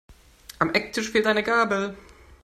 Am Ecktisch fehlt eine Gabel.